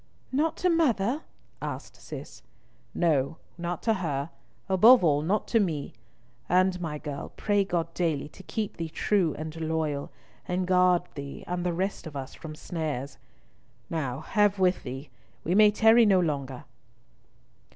"Not to mother?" asked Cis. "No, not to her, above all not to me, and, my girl, pray God daily to keep thee true and loyal, and guard thee and the rest of us from snares. Now have with thee. We may tarry no longer!"